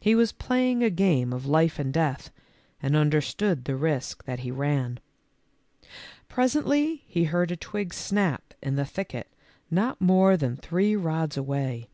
He was playing a game of life and death and understood the risk that he ran. Presently he heard a twig snap in the thicket not more than three rods away.